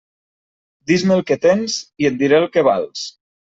Dis-me el que tens i et diré el que vals.